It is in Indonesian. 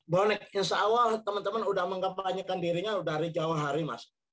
bonek yang seawal teman teman sudah mengembanyakan dirinya dari jawa hari mas